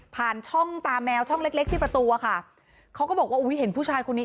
ผ่านช่องตามแมวช่องเล็กที่ประตูอะค่ะเขาก็บอกว่าเห็นผู้ชายคนนี้